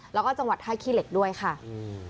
แล้วก็จังหวัดท่าขี้เหล็กด้วยค่ะอืม